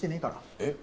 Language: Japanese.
えっ？